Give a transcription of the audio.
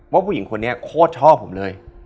ผู้หญิงคนนี้โคตรชอบผมเลย